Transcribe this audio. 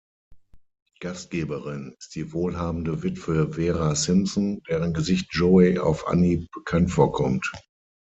Gastgeberin ist die wohlhabende Witwe Vera Simpson, deren Gesicht Joey auf Anhieb bekannt vorkommt.